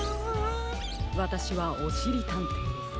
わたしはおしりたんていです。